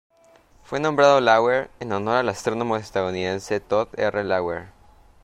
Fue nombrado Lauer en honor al astrónomo estadounidense Tod R. Lauer.